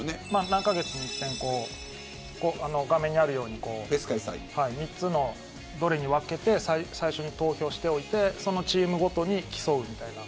何カ月に一度画面にあるように３つのどれに分けて最初に投票しておいてそのチームごとに競うみたいな。